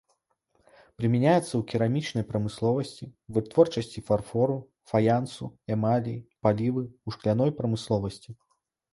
Прымяняецца ў керамічнай прамысловасці, вытворчасці фарфору, фаянсу, эмалей, палівы, у шкляной прамысловасці.